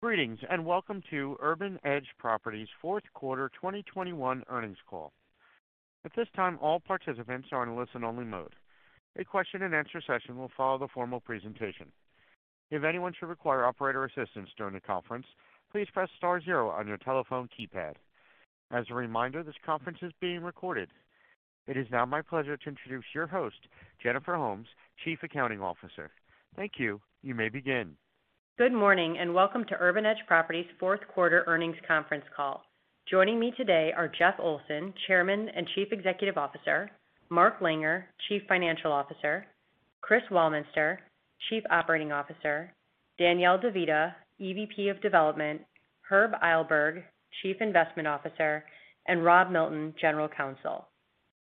Greetings, and welcome to Urban Edge Properties fourth quarter 2021 earnings call. At this time, all participants are in listen-only mode. A question and answer session will follow the formal presentation. If anyone should require operator assistance during the conference, please press star zero on your telephone keypad. As a reminder, this conference is being recorded. It is now my pleasure to introduce your host, Jennifer Holmes, Chief Accounting Officer. Thank you. You may begin. Good morning and welcome to Urban Edge Properties fourth quarter earnings conference call. Joining me today are Jeff Olson, Chairman and Chief Executive Officer, Mark Langer, Chief Financial Officer, Chris Weilminster, Chief Operating Officer, Danielle De Vita, EVP of Development, Herb Eilberg, Chief Investment Officer, and Rob Milton, General Counsel.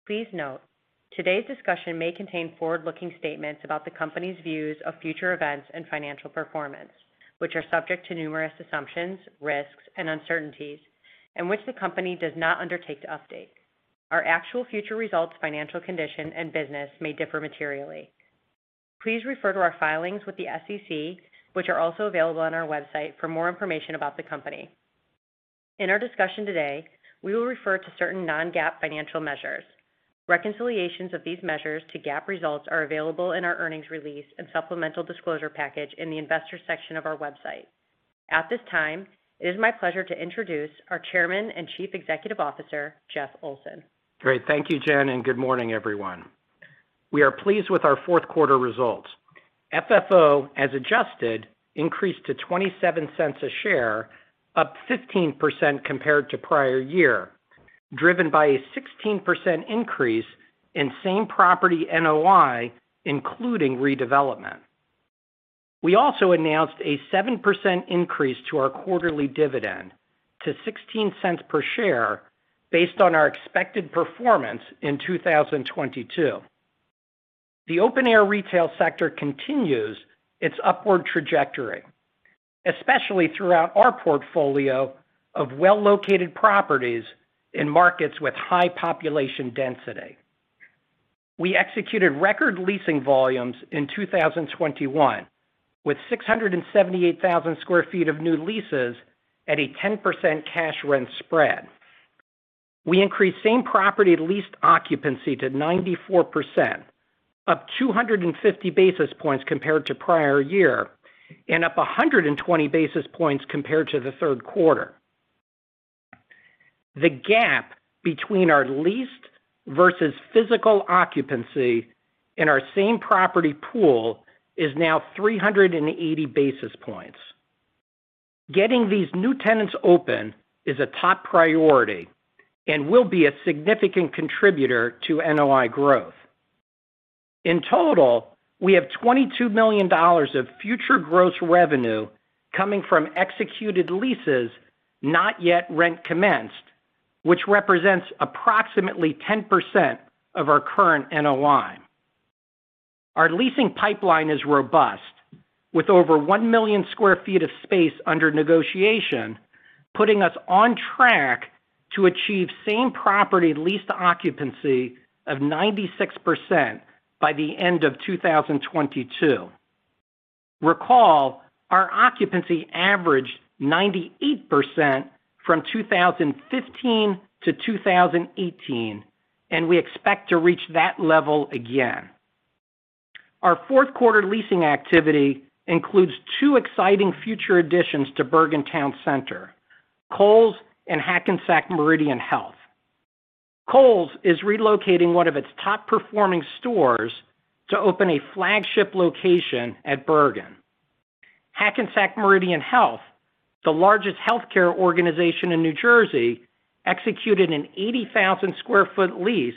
Please note, today's discussion may contain forward-looking statements about the company's views of future events and financial performance, which are subject to numerous assumptions, risks, and uncertainties, and which the company does not undertake to update. Our actual future results, financial condition, and business may differ materially. Please refer to our filings with the SEC, which are also available on our website for more information about the company. In our discussion today, we will refer to certain non-GAAP financial measures. Reconciliations of these measures to GAAP results are available in our earnings release and supplemental disclosure package in the Investors section of our website. At this time, it is my pleasure to introduce our Chairman and Chief Executive Officer, Jeff Olson. Great. Thank you, Jen, and good morning, everyone. We are pleased with our fourth quarter results. FFO, as adjusted, increased to $0.27 per share, up 15% compared to prior year, driven by a 16% increase in same-property NOI, including redevelopment. We also announced a 7% increase to our quarterly dividend to $0.16 per share based on our expected performance in 2022. The open air retail sector continues its upward trajectory, especially throughout our portfolio of well-located properties in markets with high population density. We executed record leasing volumes in 2021, with 678,000 sq ft of new leases at a 10% cash rent spread. We increased same-property leased occupancy to 94%, up 250 basis points compared to prior year, and up 120 basis points compared to the third quarter. The gap between our leased versus physical occupancy in our same-property pool is now 380 basis points. Getting these new tenants open is a top priority and will be a significant contributor to NOI growth. In total, we have $22 million of future gross revenue coming from executed leases not yet rent commenced, which represents approximately 10% of our current NOI. Our leasing pipeline is robust, with over 1 million sq ft of space under negotiation, putting us on track to achieve same-property leased occupancy of 96% by the end of 2022. Recall, our occupancy averaged 98% from 2015-2018, and we expect to reach that level again. Our fourth quarter leasing activity includes two exciting future additions to Bergen Town Center, Kohl's and Hackensack Meridian Health. Kohl's is relocating one of its top-performing stores to open a flagship location at Bergen. Hackensack Meridian Health, the largest healthcare organization in New Jersey, executed an 80,000 sq ft lease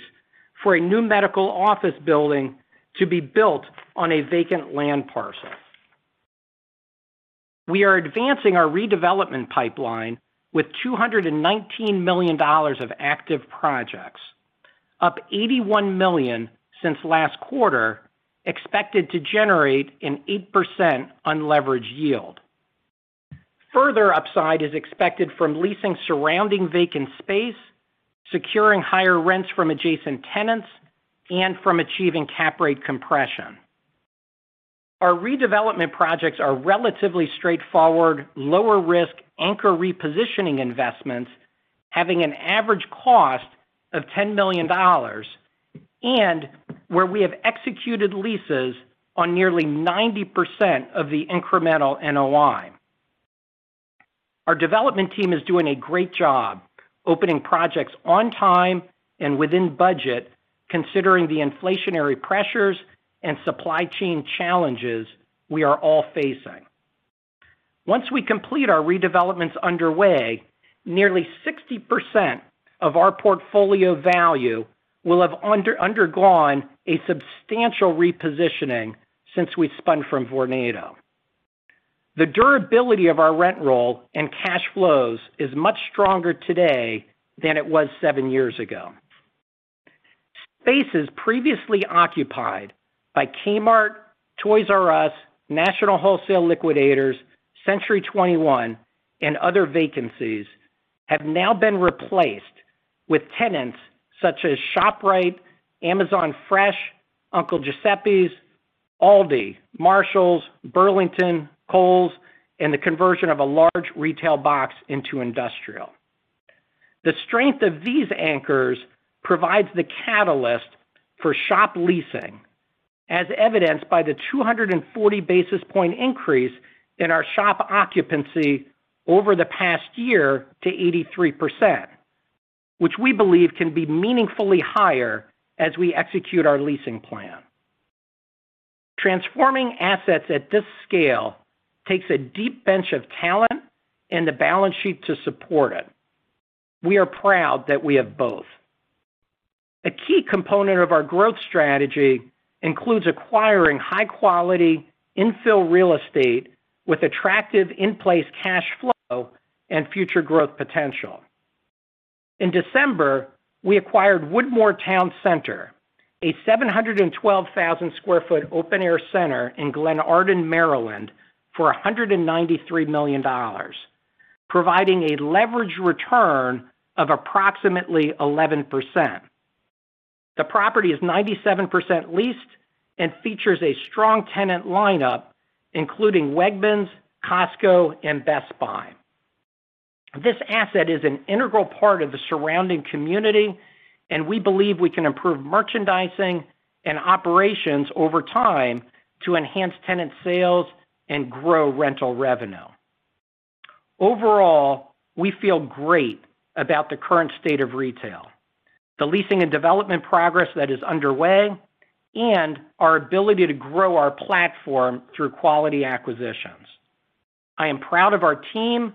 for a new medical office building to be built on a vacant land parcel. We are advancing our redevelopment pipeline with $219 million of active projects, up $81 million since last quarter, expected to generate an 8% unleveraged yield. Further upside is expected from leasing surrounding vacant space, securing higher rents from adjacent tenants, and from achieving cap rate compression. Our redevelopment projects are relatively straightforward, lower risk, anchor repositioning investments having an average cost of $10 million, and where we have executed leases on nearly 90% of the incremental NOI. Our development team is doing a great job opening projects on time and within budget, considering the inflationary pressures and supply chain challenges we are all facing. Once we complete our redevelopments underway, nearly 60% of our portfolio value will have undergone a substantial repositioning since we spun from Vornado. The durability of our rent roll and cash flows is much stronger today than it was seven years ago. Spaces previously occupied by Kmart, Toys R Us, National Wholesale Liquidators, Century 21, and other vacancies have now been replaced with tenants such as ShopRite, Amazon Fresh, Uncle Giuseppe's, Aldi, Marshalls, Burlington, Kohl's, and the conversion of a large retail box into industrial. The strength of these anchors provides the catalyst for shop leasing, as evidenced by the 240 basis point increase in our shop occupancy over the past year to 83%, which we believe can be meaningfully higher as we execute our leasing plan. Transforming assets at this scale takes a deep bench of talent and the balance sheet to support it. We are proud that we have both. A key component of our growth strategy includes acquiring high-quality infill real estate with attractive in-place cash flow and future growth potential. In December, we acquired Woodmore Towne Centre, a 712,000 sq ft open-air center in Glenarden, Maryland, for $193 million, providing a leveraged return of approximately 11%. The property is 97% leased and features a strong tenant lineup, including Wegmans, Costco, and Best Buy. This asset is an integral part of the surrounding community, and we believe we can improve merchandising and operations over time to enhance tenant sales and grow rental revenue. Overall, we feel great about the current state of retail, the leasing and development progress that is underway, and our ability to grow our platform through quality acquisitions. I am proud of our team,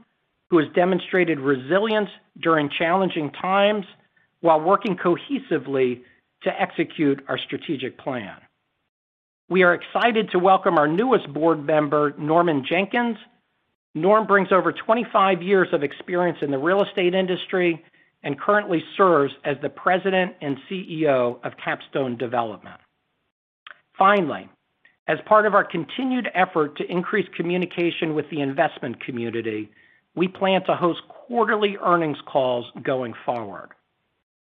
who has demonstrated resilience during challenging times while working cohesively to execute our strategic plan. We are excited to welcome our newest board member, Norman Jenkins. Norm brings over 25 years of experience in the real estate industry and currently serves as the president and CEO of Capstone Development. Finally, as part of our continued effort to increase communication with the investment community, we plan to host quarterly earnings calls going forward.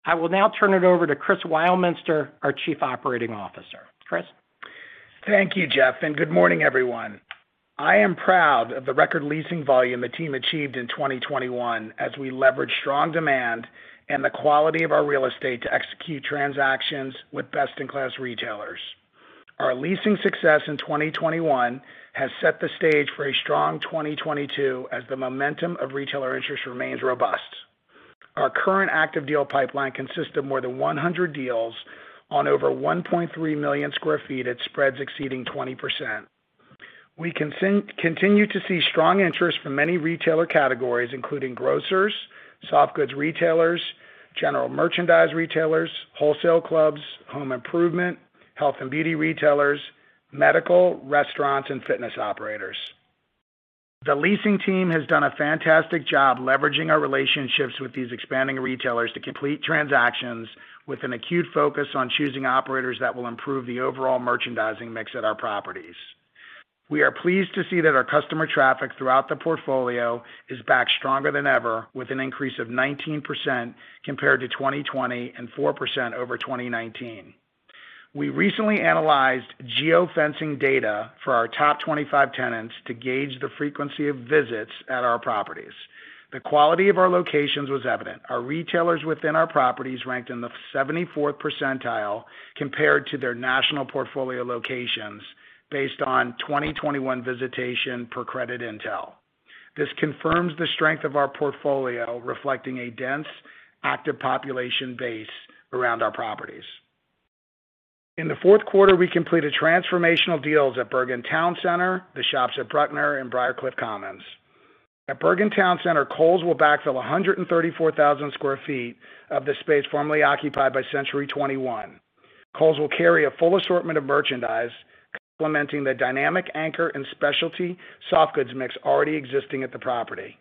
I will now turn it over to Chris Weilminster, our Chief Operating Officer. Chris? Thank you, Jeff, and good morning, everyone. I am proud of the record leasing volume the team achieved in 2021 as we leveraged strong demand and the quality of our real estate to execute transactions with best-in-class retailers. Our leasing success in 2021 has set the stage for a strong 2022 as the momentum of retailer interest remains robust. Our current active deal pipeline consists of more than 100 deals on over 1.3 million sq ft at spreads exceeding 20%. We continue to see strong interest from many retailer categories, including grocers, soft goods retailers, general merchandise retailers, wholesale clubs, home improvement, health and beauty retailers, medical, restaurants, and fitness operators. The leasing team has done a fantastic job leveraging our relationships with these expanding retailers to complete transactions with an acute focus on choosing operators that will improve the overall merchandising mix at our properties. We are pleased to see that our customer traffic throughout the portfolio is back stronger than ever, with an increase of 19% compared to 2020 and 4% over 2019. We recently analyzed geofencing data for our top 25 tenants to gauge the frequency of visits at our properties. The quality of our locations was evident. Our retailers within our properties ranked in the 74th percentile compared to their national portfolio locations based on 2021 visitation per Creditntell. This confirms the strength of our portfolio, reflecting a dense, active population base around our properties. In the fourth quarter, we completed transformational deals at Bergen Town Center, Bruckner Commons, and Briarcliff Commons. At Bergen Town Center, Kohl's will backfill 134,000 sq ft of the space formerly occupied by Century 21. Kohl's will carry a full assortment of merchandise, complementing the dynamic anchor and specialty soft goods mix already existing at the property.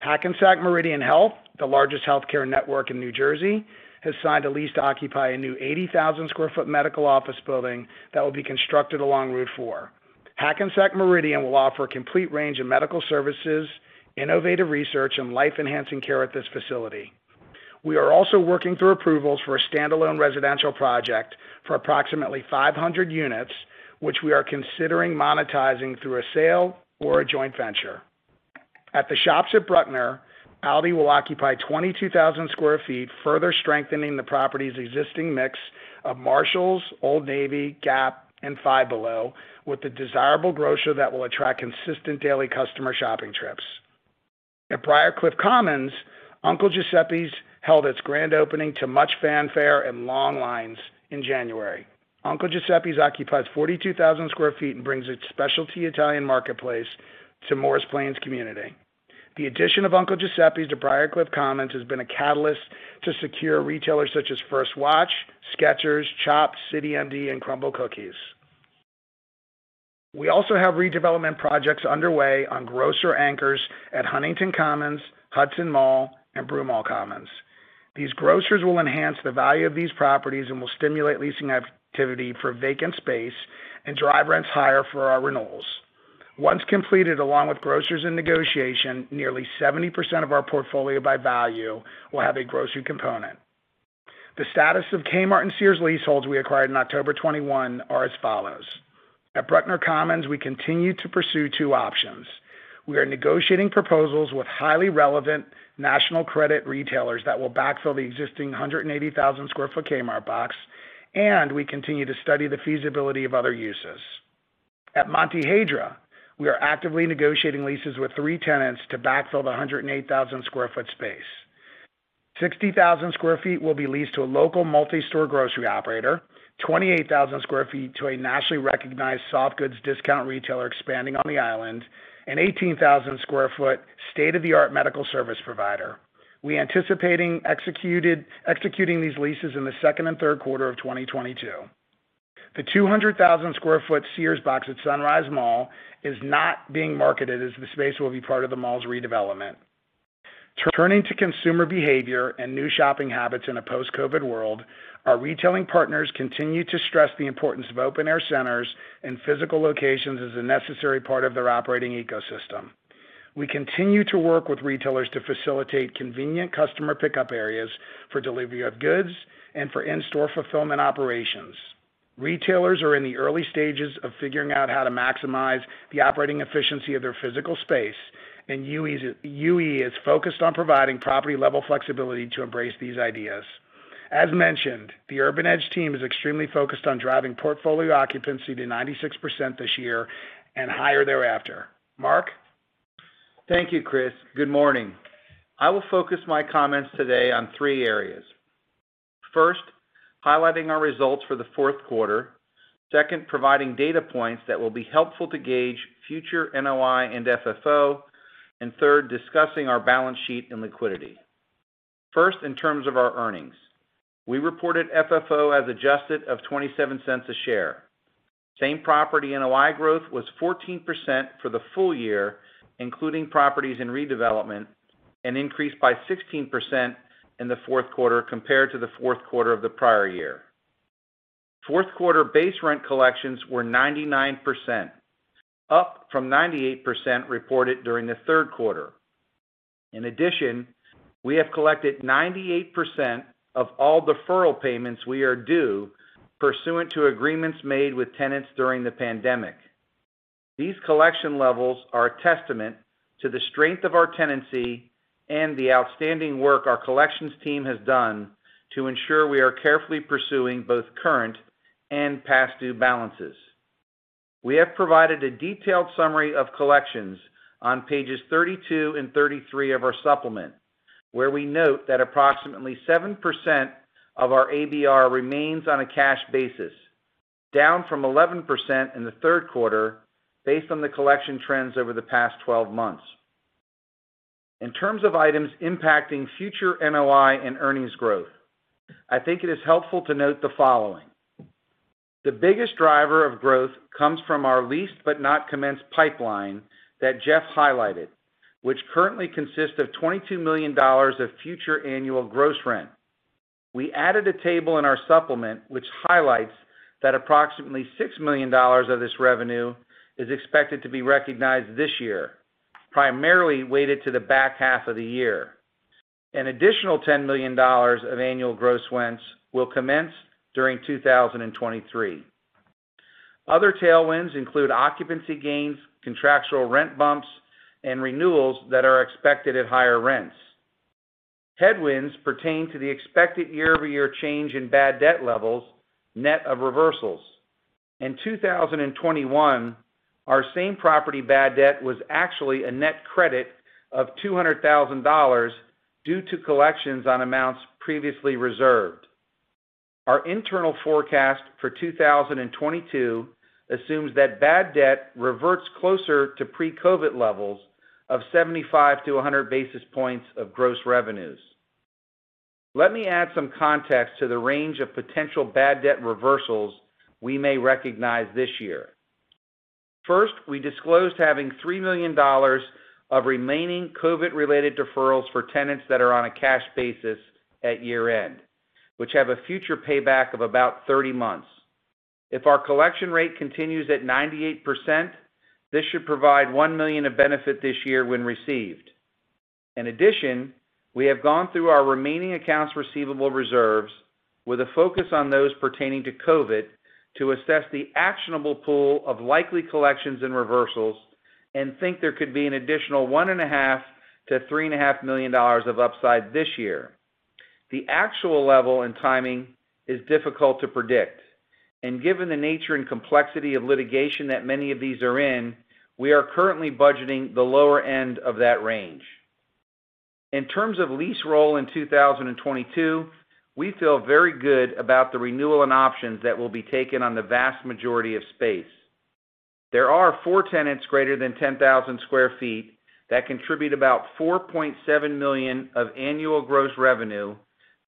Hackensack Meridian Health, the largest healthcare network in New Jersey, has signed a lease to occupy a new 80,000 sq ft medical office building that will be constructed along Route 4. Hackensack Meridian will offer a complete range of medical services, innovative research, and life-enhancing care at this facility. We are also working through approvals for a standalone residential project for approximately 500 units, which we are considering monetizing through a sale or a joint venture. At Bruckner Commons, Aldi will occupy 22,000 sq ft, further strengthening the property's existing mix of Marshalls, Old Navy, Gap, and Five Below with the desirable grocer that will attract consistent daily customer shopping trips. At Briarcliff Commons, Uncle Giuseppe's held its grand opening to much fanfare and long lines in January. Uncle Giuseppe's occupies 42,000 sq ft and brings its specialty Italian marketplace to Morris Plains community. The addition of Uncle Giuseppe's to Briarcliff Commons has been a catalyst to secure retailers such as First Watch, Skechers, Chopt, CityMD, and Crumbl Cookies. We also have redevelopment projects underway on grocer anchors at Huntington Commons, Hudson Mall, and Broomall Commons. These grocers will enhance the value of these properties and will stimulate leasing activity for vacant space and drive rents higher for our renewals. Once completed, along with grocers in negotiation, nearly 70% of our portfolio by value will have a grocery component. The status of Kmart and Sears leaseholds we acquired in October 2021 are as follows. At Bruckner Commons, we continue to pursue two options. We are negotiating proposals with highly relevant national credit retailers that will backfill the existing 180,000 sq ft Kmart box, and we continue to study the feasibility of other uses. At Montehiedra, we are actively negotiating leases with three tenants to backfill the 108,000 sq ft space. 60,000 sq ft will be leased to a local multi-store grocery operator, 28,000 sq ft to a nationally recognized soft goods discount retailer expanding on the island, an 18,000 sq ft state-of-the-art medical service provider. We anticipate executing these leases in the second and third quarter of 2022. The 200,000 sq ft Sears box at Sunrise Mall is not being marketed as the space will be part of the mall's redevelopment. Turning to consumer behavior and new shopping habits in a post-COVID world, our retailing partners continue to stress the importance of open-air centers and physical locations as a necessary part of their operating ecosystem. We continue to work with retailers to facilitate convenient customer pickup areas for delivery of goods and for in-store fulfillment operations. Retailers are in the early stages of figuring out how to maximize the operating efficiency of their physical space, and UE is focused on providing property-level flexibility to embrace these ideas. As mentioned, the Urban Edge team is extremely focused on driving portfolio occupancy to 96% this year and higher thereafter. Mark. Thank you, Chris. Good morning. I will focus my comments today on three areas. First, highlighting our results for the fourth quarter. Second, providing data points that will be helpful to gauge future NOI and FFO. Third, discussing our balance sheet and liquidity. First, in terms of our earnings, we reported FFO as adjusted of $0.27 per share. Same-property NOI growth was 14% for the full year, including properties in redevelopment, and increased by 16% in the fourth quarter compared to the fourth quarter of the prior year. Fourth quarter base rent collections were 99%, up from 98% reported during the third quarter. In addition, we have collected 98% of all deferral payments we are due pursuant to agreements made with tenants during the pandemic. These collection levels are a testament to the strength of our tenancy and the outstanding work our collections team has done to ensure we are carefully pursuing both current and past due balances. We have provided a detailed summary of collections on pages 32 and 33 of our supplement, where we note that approximately 7% of our ABR remains on a cash basis, down from 11% in the third quarter based on the collection trends over the past 12 months. In terms of items impacting future NOI and earnings growth, I think it is helpful to note the following. The biggest driver of growth comes from our leased but not commenced pipeline that Jeff highlighted, which currently consists of $22 million of future annual gross rent. We added a table in our supplement which highlights that approximately $6 million of this revenue is expected to be recognized this year, primarily weighted to the back half of the year. An additional $10 million of annual gross rents will commence during 2023. Other tailwinds include occupancy gains, contractual rent bumps, and renewals that are expected at higher rents. Headwinds pertain to the expected year-over-year change in bad debt levels, net of reversals. In 2021, our same property bad debt was actually a net credit of $200,000 due to collections on amounts previously reserved. Our internal forecast for 2022 assumes that bad debt reverts closer to pre-COVID levels of 75-100 basis points of gross revenues. Let me add some context to the range of potential bad debt reversals we may recognize this year. First, we disclosed having $3 million of remaining COVID-related deferrals for tenants that are on a cash basis at year-end, which have a future payback of about 30 months. If our collection rate continues at 98%, this should provide $1 million of benefit this year when received. In addition, we have gone through our remaining accounts receivable reserves with a focus on those pertaining to COVID to assess the actionable pool of likely collections and reversals and think there could be an additional $1.5 million-$3.5 million of upside this year. The actual level and timing is difficult to predict, and given the nature and complexity of litigation that many of these are in, we are currently budgeting the lower end of that range. In terms of lease roll in 2022, we feel very good about the renewal and options that will be taken on the vast majority of space. There are four tenants greater than 10,000 sq ft that contribute about $4.7 million of annual gross revenue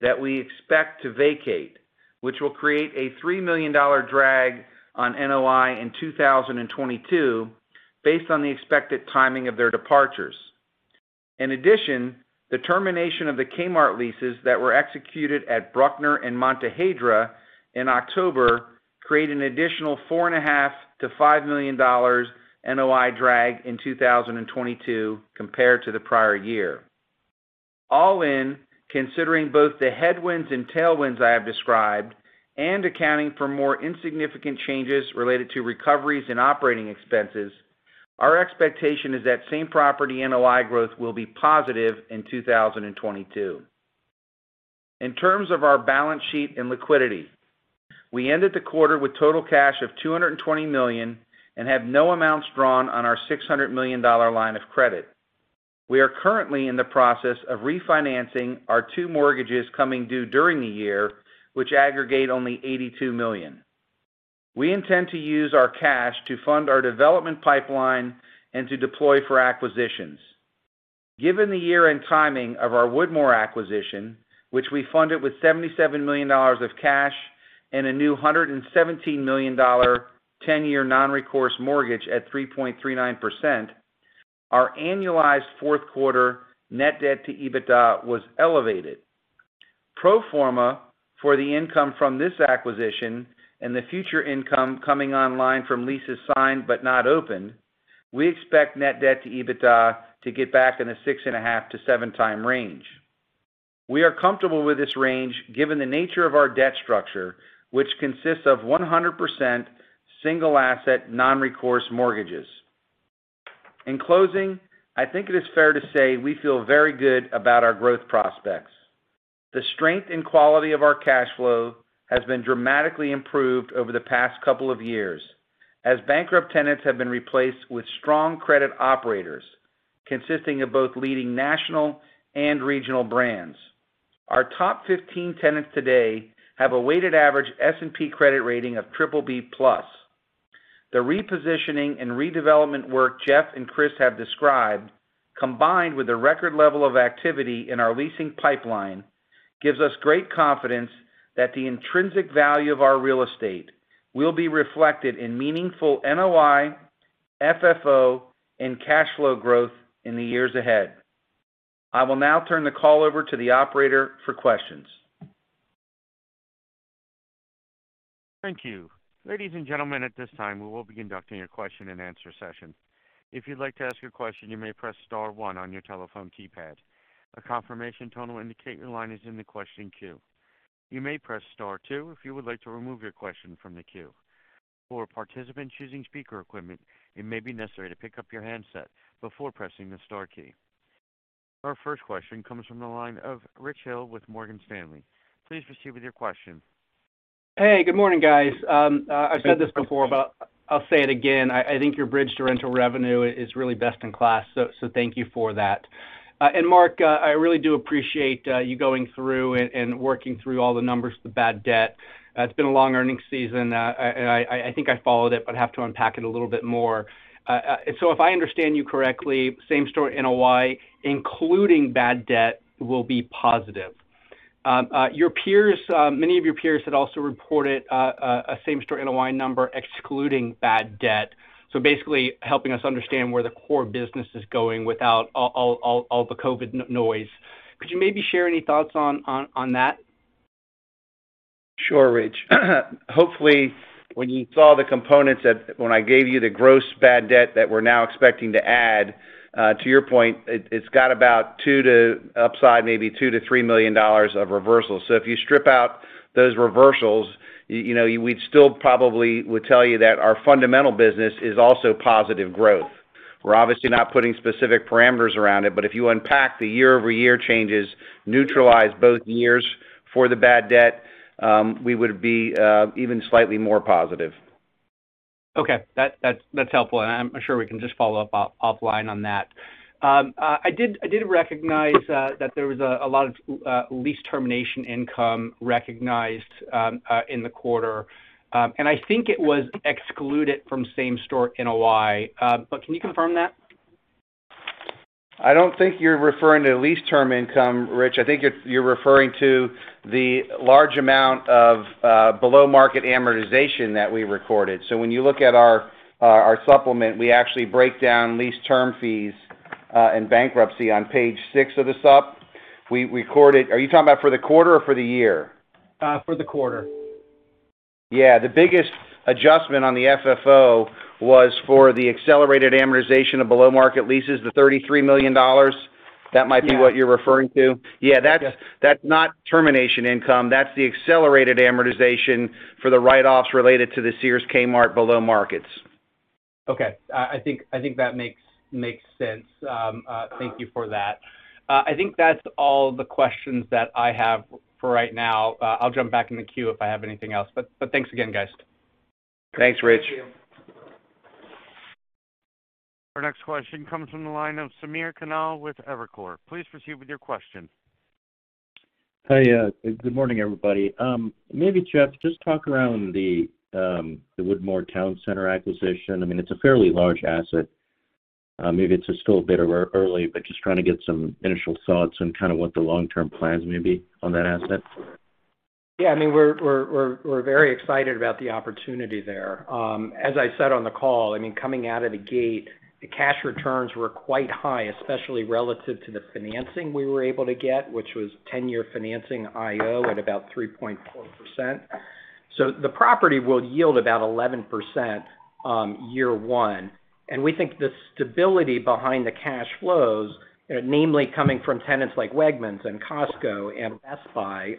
that we expect to vacate, which will create a $3 million drag on NOI in 2022 based on the expected timing of their departures. In addition, the termination of the Kmart leases that were executed at Bruckner and Montehiedra in October create an additional $4.5 million-$5 million NOI drag in 2022 compared to the prior year. All in, considering both the headwinds and tailwinds I have described and accounting for more insignificant changes related to recoveries and operating expenses, our expectation is that same-property NOI growth will be positive in 2022. In terms of our balance sheet and liquidity, we ended the quarter with total cash of $220 million and have no amounts drawn on our $600 million line of credit. We are currently in the process of refinancing our two mortgages coming due during the year, which aggregate only $82 million. We intend to use our cash to fund our development pipeline and to deploy for acquisitions. Given the year and timing of our Woodmore acquisition, which we funded with $77 million of cash and a new $117 million 10-year non-recourse mortgage at 3.39%, our annualized fourth quarter net debt to EBITDA was elevated. Pro forma for the income from this acquisition and the future income coming online from leases signed but not opened, we expect net debt to EBITDA to get back in the 6.5x-7x range. We are comfortable with this range given the nature of our debt structure, which consists of 100% single asset non-recourse mortgages. In closing, I think it is fair to say we feel very good about our growth prospects. The strength and quality of our cash flow has been dramatically improved over the past couple of years as bankrupt tenants have been replaced with strong credit operators, consisting of both leading national and regional brands. Our top 15 tenants today have a weighted average S&P credit rating of BBB+. The repositioning and redevelopment work Jeff and Chris have described, combined with a record level of activity in our leasing pipeline, gives us great confidence that the intrinsic value of our real estate will be reflected in meaningful NOI, FFO, and cash flow growth in the years ahead. I will now turn the call over to the operator for questions. Thank you. Ladies and gentlemen, at this time, we will be conducting a question and answer session. If you'd like to ask a question, you may press star one on your telephone keypad. A confirmation tone will indicate your line is in the question queue. You may press star two if you would like to remove your question from the queue. For participants using speaker equipment, it may be necessary to pick up your handset before pressing the star key. Our first question comes from the line of Richard Hill with Morgan Stanley. Please proceed with your question. Hey, good morning, guys. I've said this before, but I'll say it again. I think your bridge to rental revenue is really best in class, so thank you for that. Mark, I really do appreciate you going through and working through all the numbers, the bad debt. It's been a long earnings season. I think I followed it, but I have to unpack it a little bit more. If I understand you correctly, same-store NOI, including bad debt, will be positive. Your peers, many of your peers had also reported a same-store NOI number excluding bad debt. Basically helping us understand where the core business is going without all the COVID noise. Could you maybe share any thoughts on that? Sure, Rich. Hopefully, when you saw the components that, when I gave you the gross bad debt that we're now expecting to add, to your point, it's got about $2 million-$3 million of reversal. If you strip out those reversals, you know, we'd still probably tell you that our fundamental business is also positive growth. We're obviously not putting specific parameters around it, but if you unpack the year-over-year changes, neutralize both years for the bad debt, we would be even slightly more positive. Okay. That's helpful, and I'm sure we can just follow up offline on that. I did recognize that there was a lot of lease termination income recognized in the quarter. I think it was excluded from same-store NOI, but can you confirm that? I don't think you're referring to lease term income, Rich. I think you're referring to the large amount of below-market amortization that we recorded. When you look at our supplement, we actually break down lease term fees and bankruptcy on page six of the sup. We recorded. Are you talking about for the quarter or for the year? For the quarter. Yeah. The biggest adjustment on the FFO was for the accelerated amortization of below-market leases, $33 million. That might be what you're referring to. Yeah, that's not termination income. That's the accelerated amortization for the write-offs related to the Sears Kmart below markets. Okay. I think that makes sense. Thank you for that. I think that's all the questions that I have for right now. I'll jump back in the queue if I have anything else. Thanks again, guys. Thanks, Rich. Our next question comes from the line of Samir Khanal with Evercore. Please proceed with your question. Hey, good morning, everybody. Maybe, Jeff, just talk about the Woodmore Towne Centre acquisition. I mean, it's a fairly large asset. Maybe it's just still a bit early, but just trying to get some initial thoughts on kind of what the long-term plans may be on that asset. Yeah. I mean, we're very excited about the opportunity there. As I said on the call, I mean, coming out of the gate, the cash returns were quite high, especially relative to the financing we were able to get, which was 10-year financing IO at about 3.4%. The property will yield about 11%, year one. We think the stability behind the cash flows, namely coming from tenants like Wegmans and Costco and Best Buy,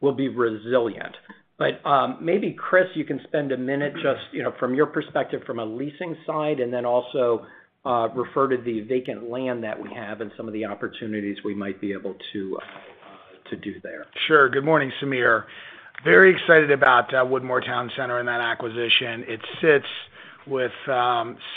will be resilient. Maybe Chris, you can spend a minute just, you know, from your perspective from a leasing side, and then also, refer to the vacant land that we have and some of the opportunities we might be able to do there. Sure. Good morning, Sameer. Very excited about Woodmore Towne Centre and that acquisition. It sits with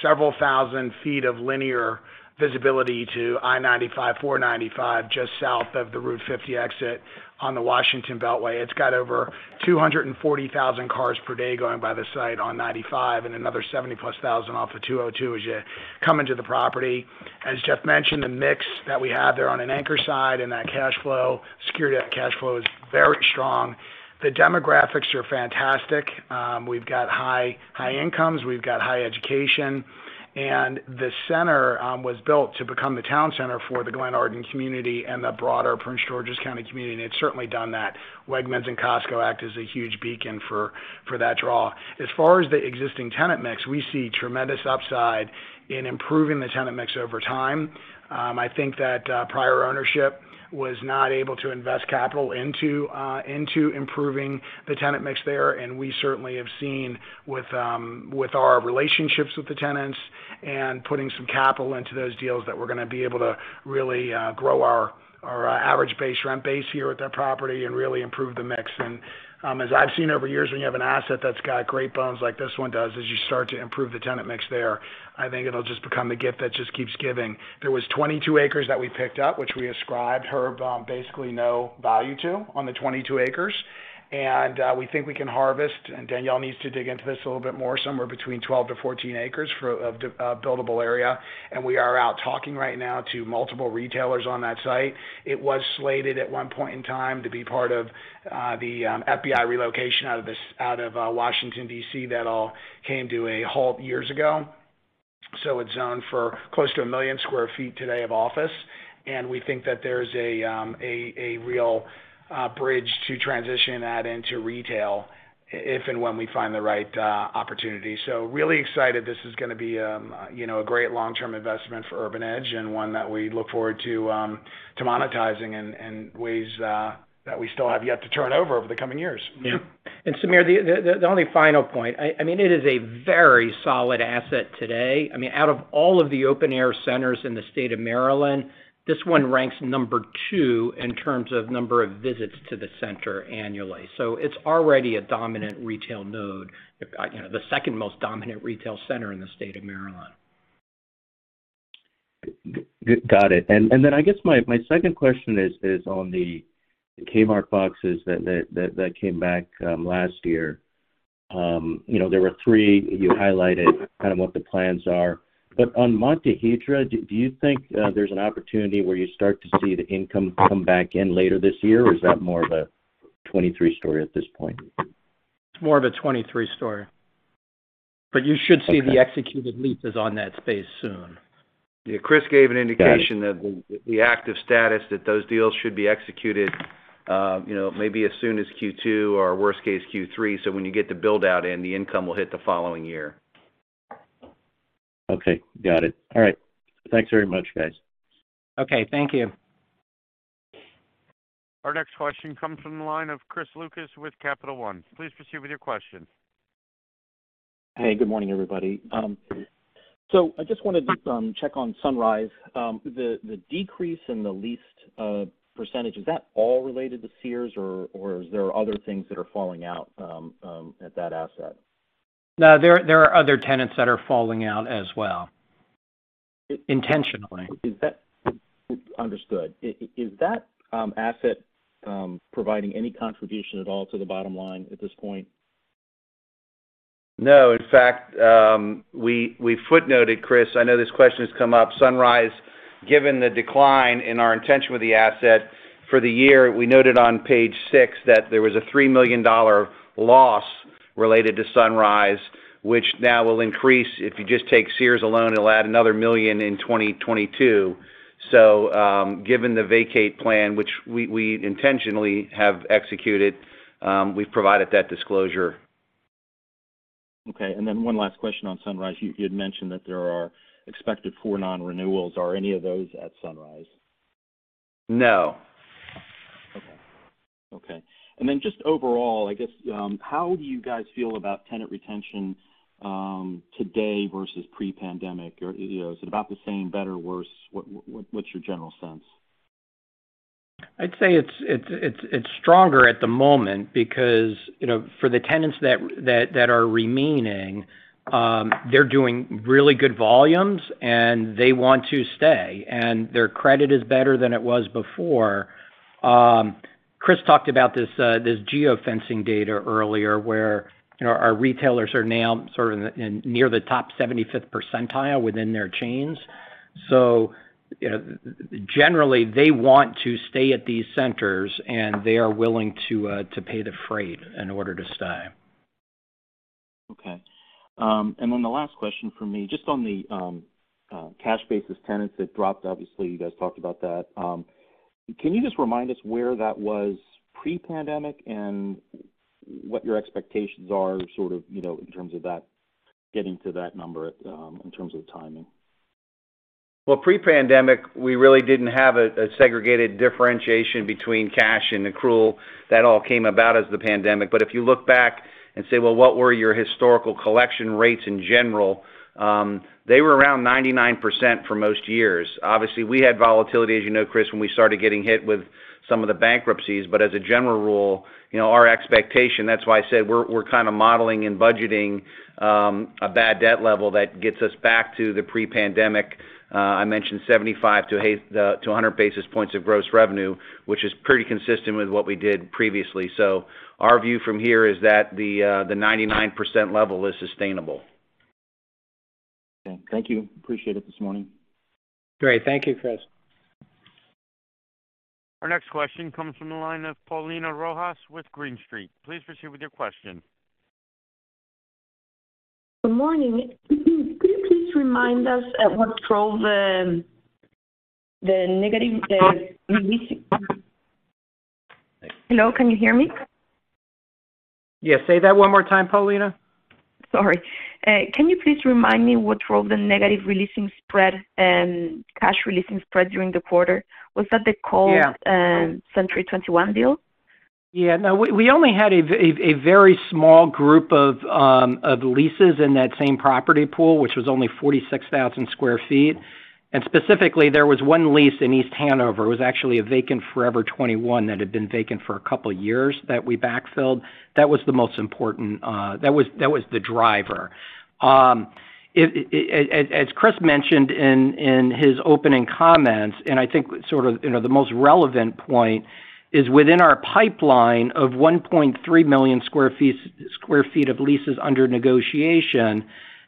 several thousand feet of linear visibility to I-95/495, just south of the Route 50 exit on the Washington Beltway. It's got over 240,000 cars per day going by the site on 95, and another 70,000+ off of 202 as you come into the property. As Jeff mentioned, the mix that we have there on an anchor side and that cashflow, security cashflow is very strong. The demographics are fantastic. We've got high incomes, we've got high education. The center was built to become the town center for the Glenarden community and the broader Prince George's County community, and it's certainly done that. Wegmans and Costco act as a huge beacon for that draw. As far as the existing tenant mix, we see tremendous upside in improving the tenant mix over time. I think that prior ownership was not able to invest capital into improving the tenant mix there. We certainly have seen with our relationships with the tenants and putting some capital into those deals that we're gonna be able to really grow our average base rent here at that property and really improve the mix. As I've seen over years, when you have an asset that's got great bones like this one does, as you start to improve the tenant mix there, I think it'll just become the gift that just keeps giving. There was 22 acres that we picked up, which we ascribed here, basically no value to on the 22 acres. We think we can harvest, and Danielle needs to dig into this a little bit more, somewhere between 12-14 acres of buildable area. We are out talking right now to multiple retailers on that site. It was slated at one point in time to be part of the FBI relocation out of Washington, D.C. That all came to a halt years ago. It's zoned for close to 1 million sq ft today of office. We think that there's a real bridge to transition that into retail if and when we find the right opportunity. Really excited. This is gonna be, you know, a great long-term investment for Urban Edge and one that we look forward to monetizing in ways that we still have yet to turn over the coming years. Yeah. Samir, the only final point, I mean, it is a very solid asset today. I mean, out of all of the open-air centers in the state of Maryland, this one ranks number two in terms of number of visits to the center annually. It's already a dominant retail node, you know, the second most dominant retail center in the state of Maryland. Got it. Then I guess my second question is on the Kmart boxes that came back last year. You know, there were three. You highlighted kind of what the plans are. On Montehiedra, do you think there's an opportunity where you start to see the income come back in later this year? Or is that more of a 2023 story at this point? It's more of a 2023 story. You should see the executed leases on that space soon. Yeah. Chris gave an indication. That the active status that those deals should be executed, you know, maybe as soon as Q2 or worst case, Q3. When you get the build-out in, the income will hit the following year. Okay, got it. All right. Thanks very much, guys. Okay, thank you. Our next question comes from the line of Chris Lucas with Capital One. Please proceed with your question. Hey, good morning, everybody. I just wanted to check on Sunrise. The decrease in the leased percentage, is that all related to Sears or is there other things that are falling out at that asset? No. There are other tenants that are falling out as well, intentionally. Is that understood? Is that asset providing any contribution at all to the bottom line at this point? No. In fact, we footnoted, Chris. I know this question has come up. Sunrise, given the decline in our retention with the asset, for the year, we noted on page six that there was a $3 million loss related to Sunrise, which now will increase. If you just take Sears alone, it'll add another $1 million in 2022. Given the vacancy plan, which we intentionally have executed, we've provided that disclosure. Okay. One last question on Sunrise. You'd mentioned that there are expected 4 non-renewals. Are any of those at Sunrise? No. Okay. Just overall, I guess, how do you guys feel about tenant retention today versus pre-pandemic? Or, you know, is it about the same, better, worse? What's your general sense? I'd say it's stronger at the moment because, you know, for the tenants that are remaining, they're doing really good volumes and they want to stay, and their credit is better than it was before. Chris talked about this geofencing data earlier, where, you know, our retailers are now sort of in near the top 75th percentile within their chains. So, you know, generally, they want to stay at these centers, and they are willing to pay the freight in order to stay. Okay. The last question from me, just on the cash basis tenants that dropped, obviously, you guys talked about that. Can you just remind us where that was pre-pandemic and what your expectations are, sort of, you know, in terms of that, getting to that number at, in terms of timing? Well, pre-pandemic, we really didn't have a segregated differentiation between cash and accrual. That all came about as the pandemic. If you look back and say, "Well, what were your historical collection rates in general?" They were around 99% for most years. Obviously, we had volatility, as you know, Chris, when we started getting hit with some of the bankruptcies. As a general rule, you know, our expectation, that's why I said we're kind of modeling and budgeting a bad debt level that gets us back to the pre-pandemic, I mentioned 75-100 basis points of gross revenue, which is pretty consistent with what we did previously. Our view from here is that the 99% level is sustainable. Okay. Thank you. Appreciate it this morning. Great. Thank you, Chris. Our next question comes from the line of Paulina Rojas with Green Street. Please proceed with your question. Good morning. Could you please remind us of what drove the negative? Hello, can you hear me? Yeah. Say that one more time, Paulina. Sorry. Can you please remind me what drove the negative releasing spread and cash releasing spread during the quarter? Was that the cold Century 21 deal? No, we only had a very small group of leases in that same property pool, which was only 46,000 sq ft. Specifically, there was one lease in East Hanover. It was actually a vacant Forever 21 that had been vacant for a couple years that we backfilled. That was the most important, that was the driver. As Chris mentioned in his opening comments, I think sort of, you know, the most relevant point is within our pipeline of 1.3 million sq ft of leases under negotiation,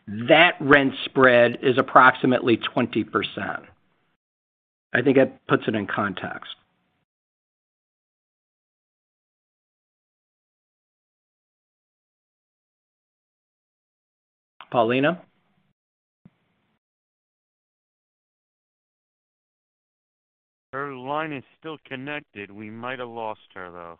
that rent spread is approximately 20%. I think that puts it in context. Paulina? Her line is still connected. We might have lost her, though.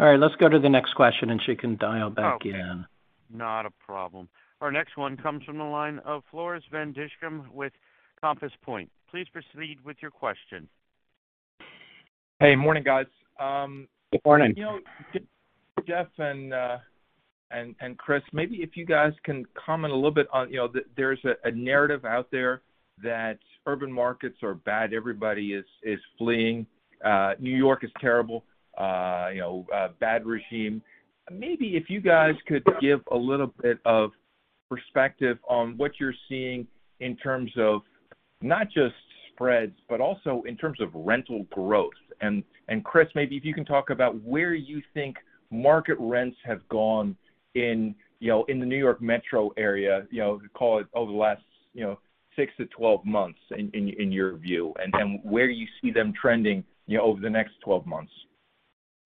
All right, let's go to the next question, and she can dial back in. Okay. Not a problem. Our next one comes from the line of Floris Van Dijkum with Compass Point. Please proceed with your question. Hey, morning, guys. Good morning. You know, Jeff and Chris, maybe if you guys can comment a little bit on, you know, there's a narrative out there that urban markets are bad, everybody is fleeing, New York is terrible, you know, a bad regime. Maybe if you guys could give a little bit of perspective on what you're seeing in terms of not just spreads, but also in terms of rental growth. Chris, maybe if you can talk about where you think market rents have gone in, you know, in the New York metro area, you know, call it over the last, you know, 6-12 months in your view, and where you see them trending, you know, over the next 12 months.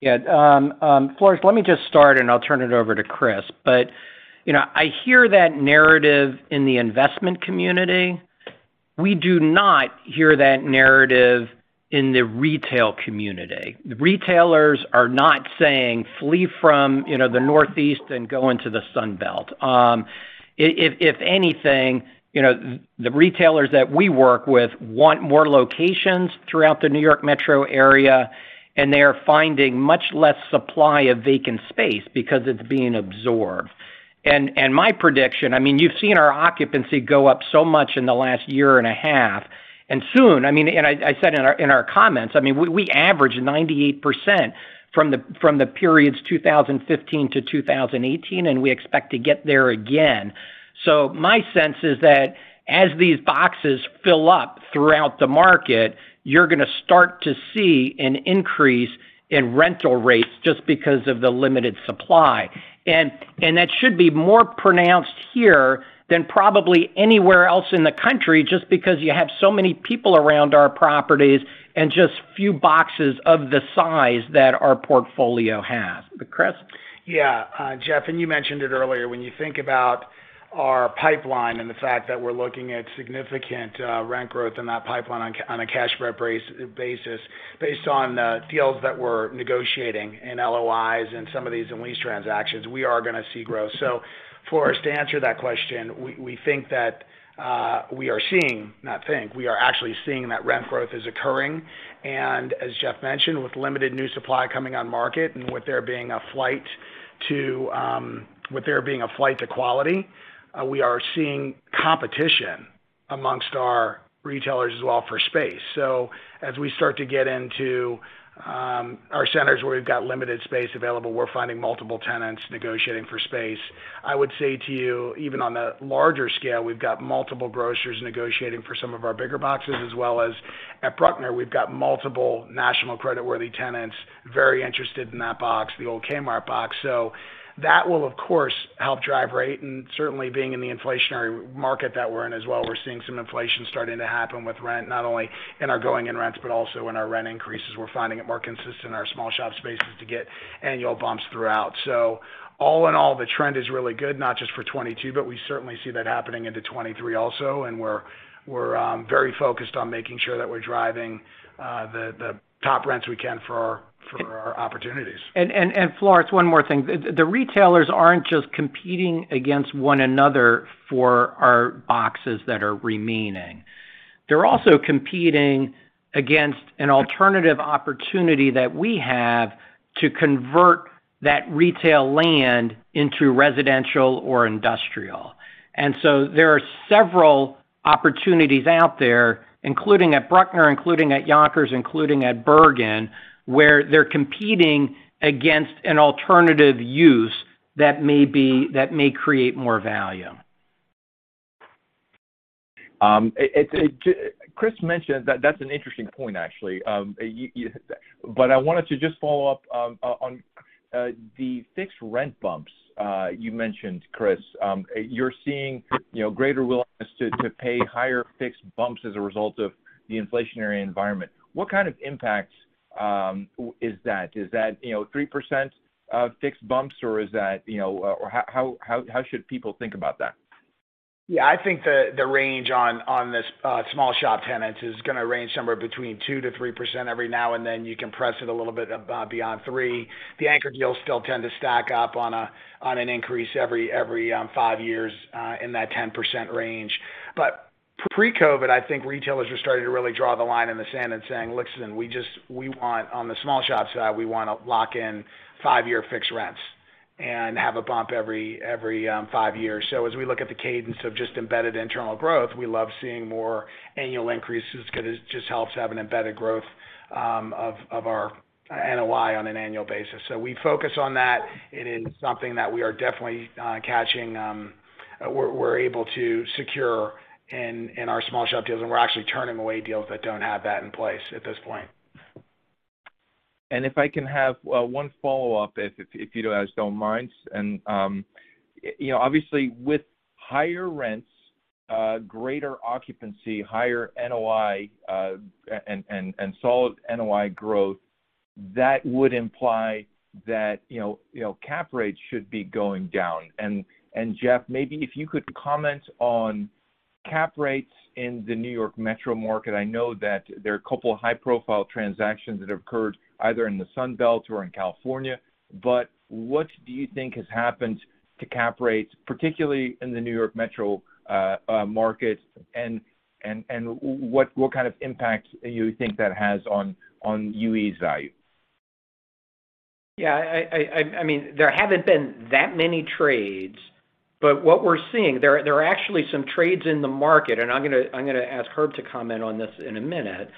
Yeah. Floris, let me just start, and I'll turn it over to Chris. You know, I hear that narrative in the investment community. We do not hear that narrative in the retail community. The retailers are not saying flee from, you know, the Northeast and go into the Sun Belt. If anything, you know, the retailers that we work with want more locations throughout the New York metro area, and they are finding much less supply of vacant space because it's being absorbed. My prediction, I mean, you've seen our occupancy go up so much in the last year and a half, and soon, I mean, I said in our comments, I mean, we average 98% from the periods 2015-2018, and we expect to get there again. My sense is that as these boxes fill up throughout the market, you're gonna start to see an increase in rental rates just because of the limited supply. That should be more pronounced here than probably anywhere else in the country, just because you have so many people around our properties and just few boxes of the size that our portfolio has. Chris. Yeah. Jeff, you mentioned it earlier, when you think about our pipeline and the fact that we're looking at significant rent growth in that pipeline on a cash spread basis based on the deals that we're negotiating in LOIs and some of these lease transactions, we are gonna see growth. For us to answer that question, we think that we are seeing, not think, we are actually seeing that rent growth is occurring. As Jeff mentioned, with limited new supply coming on market and with there being a flight to quality, we are seeing competition among our retailers as well for space. As we start to get into Our centers where we've got limited space available, we're finding multiple tenants negotiating for space. I would say to you, even on a larger scale, we've got multiple grocers negotiating for some of our bigger boxes, as well as at Bruckner, we've got multiple national creditworthy tenants, very interested in that box, the old Kmart box. That will, of course, help drive rate. Certainly, being in the inflationary market that we're in as well, we're seeing some inflation starting to happen with rent, not only in our going in rents, but also in our rent increases. We're finding it more consistent in our small shop spaces to get annual bumps throughout. All in all, the trend is really good, not just for 2022, but we certainly see that happening into 2023 also. We're very focused on making sure that we're driving the top rents we can for our opportunities. Floris, one more thing. The retailers aren't just competing against one another for our boxes that are remaining. They're also competing against an alternative opportunity that we have to convert that retail land into residential or industrial. There are several opportunities out there, including at Bruckner, including at Yonkers, including at Bergen, where they're competing against an alternative use that may create more value. That's an interesting point actually. I wanted to just follow up on the fixed rent bumps you mentioned, Chris. You're seeing, you know, greater willingness to pay higher fixed bumps as a result of the inflationary environment. What kind of impact is that? Is that, you know, 3% fixed bumps, or is that, you know, or how should people think about that? Yeah. I think the range on this small shop tenants is gonna range somewhere between 2%-3% every now and then. You can press it a little bit beyond 3%. The anchor deals still tend to stack up on an increase every five years in that 10% range. But pre-COVID, I think retailers are starting to really draw the line in the sand and saying, "Listen, we want on the small shop side, we wanna lock in five-year fixed rents and have a bump every five years." As we look at the cadence of just embedded internal growth, we love seeing more annual increases 'cause it just helps have an embedded growth of our NOI on an annual basis. We focus on that. It is something that we are definitely catching. We're able to secure in our small shop deals, and we're actually turning away deals that don't have that in place at this point. If I can have one follow-up, if you guys don't mind. You know, obviously, with higher rents, greater occupancy, higher NOI, and solid NOI growth, that would imply that, you know, cap rates should be going down. Jeff, maybe if you could comment on cap rates in the New York metro market. I know that there are a couple of high-profile transactions that have occurred either in the Sun Belt or in California, but what do you think has happened to cap rates, particularly in the New York metro market and what kind of impact you think that has on UE's value? Yeah. I mean, there haven't been that many trades, but what we're seeing, there are actually some trades in the market, and I'm gonna ask Herb to comment on this in a minute,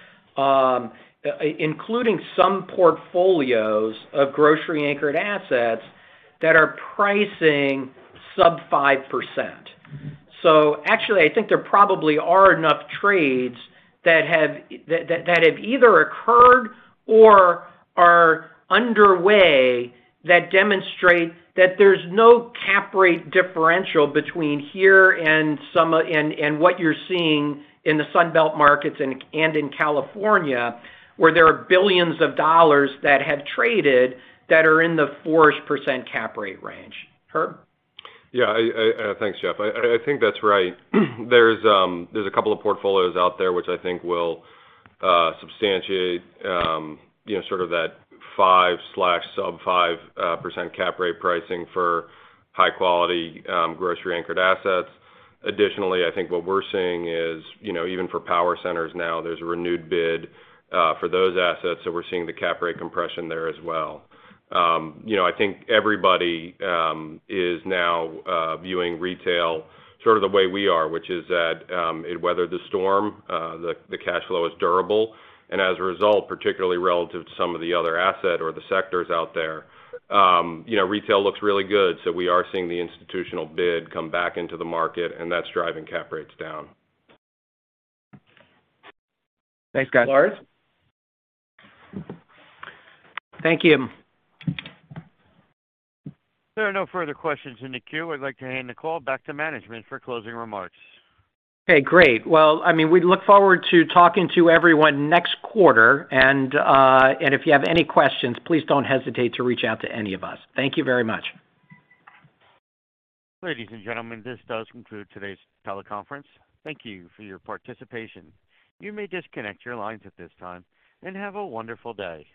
including some portfolios of grocery anchored assets that are pricing sub 5%. Actually, I think there probably are enough trades that have either occurred or are underway that demonstrate that there's no cap rate differential between here and some of and what you're seeing in the Sun Belt markets and in California, where there are $ billions that have traded that are in the 4-ish% cap rate range. Herb? Yeah. Thanks, Jeff. I think that's right. There's a couple of portfolios out there which I think will substantiate, you know, sort of that 5/sub-5% cap rate pricing for high quality grocery anchored assets. Additionally, I think what we're seeing is, you know, even for power centers now, there's a renewed bid for those assets. So we're seeing the cap rate compression there as well. You know, I think everybody is now viewing retail sort of the way we are, which is that it weathered the storm, the cash flow is durable. As a result, particularly relative to some of the other asset or the sectors out there, you know, retail looks really good. We are seeing the institutional bid come back into the market, and that's driving cap rates down. Thanks, guys. Floris. Thank you. There are no further questions in the queue. I'd like to hand the call back to management for closing remarks. Okay, great. Well, I mean, we look forward to talking to everyone next quarter. If you have any questions, please don't hesitate to reach out to any of us. Thank you very much. Ladies and gentlemen, this does conclude today's teleconference. Thank you for your participation. You may disconnect your lines at this time, and have a wonderful day.